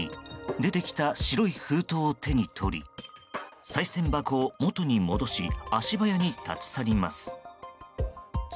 出てきた白い封筒を手に取りさい銭箱をもとに戻し足早に立ち去ります。